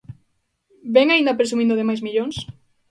¿Vén aínda presumindo de máis millóns?